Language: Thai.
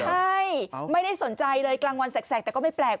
ใช่ไม่ได้สนใจเลยกลางวันแสกแต่ก็ไม่แปลก